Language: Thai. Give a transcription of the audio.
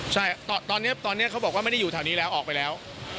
ใช่ตอนนี้เขาบอกว่าไม่ได้อยู่แถวนี้แล้วออกไปแล้ว